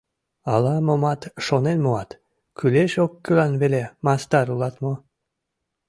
Ала-момат шонен муат, кӱлеш-оккӱлан веле мастар улат мо?